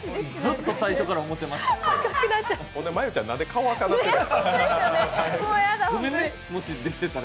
ずっと最初から思ってました。